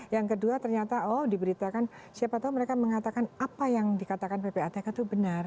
yang kedua ternyata oh diberitakan siapa tahu mereka mengatakan apa yang dikatakan ppatk itu benar